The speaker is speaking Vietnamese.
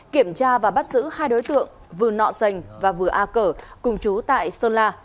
kiểm tra và bắt giữ hai đối tượng vừa nọ sành và vừa a cở cùng chú tại sơn la